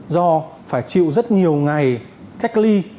do phải chịu rất nhiều ngày cách ly